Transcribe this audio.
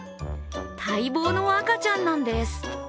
待望の赤ちゃんなんです。